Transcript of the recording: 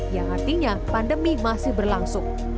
yang artinya pandemi masih berlangsung